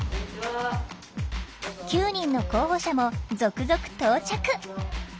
９人の候補者も続々到着。